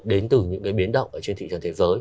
đến từ những cái biến động ở trên thị trường thế giới